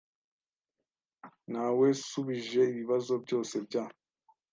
Nawesubije ibibazo byose bya .